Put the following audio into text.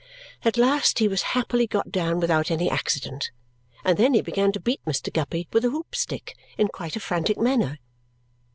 At last he was happily got down without any accident, and then he began to beat Mr. Guppy with a hoop stick in quite a frantic manner.